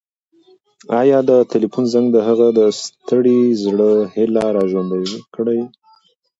ایا د تلیفون زنګ د هغه د ستړي زړه هیلې راژوندۍ کړې؟